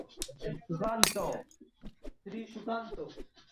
কিন্তু দেশীয় ধারণাটি এই সময়কালকে পুরোপুরি বিরোধিতা করে।